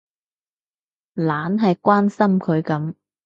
懶係關心佢噉